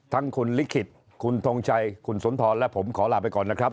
ทั้งคุณลิขิตคุณทงชัยคุณสุนทรและผมขอลาไปก่อนนะครับ